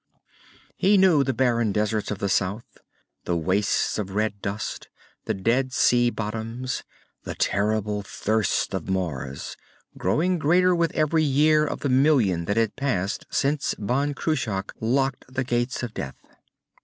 _" He knew the barren deserts of the south, the wastes of red dust, the dead sea bottoms the terrible thirst of Mars, growing greater with every year of the million that had passed since Ban Cruach locked the Gates of Death.